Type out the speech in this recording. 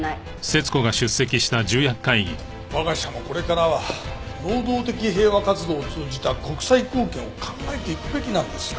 我が社もこれからは能動的平和活動を通じた国際貢献を考えていくべきなんですよ。